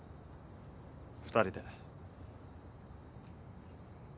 ２人で。